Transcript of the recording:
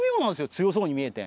強そうに見えて。